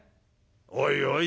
『おいおい』